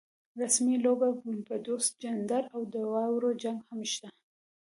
رسمۍ لوبه، پډوس، چندرۍ او د واورو جنګ هم شته.